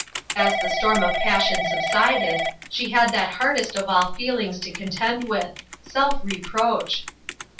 As the storm of pas sion subsided, she had that hardest of all feelings to contend with — self reproach.